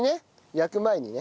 焼く前にね。